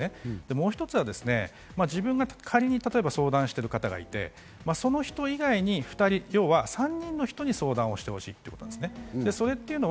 もう一つは自分が仮に相談している方がいて、その人以外に２人、要は３人の人に相談してほしいということです。